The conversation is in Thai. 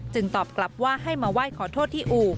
ตอบกลับว่าให้มาไหว้ขอโทษที่อู่